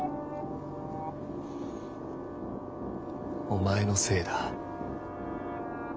お前のせいだ。